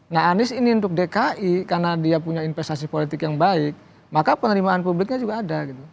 nah anies ini untuk dki karena dia punya investasi politik yang baik maka penerimaan publiknya juga ada gitu